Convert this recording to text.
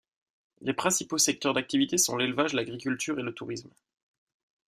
Les principaux secteurs d'activité sont l'élevage, l'agriculture et le tourismes.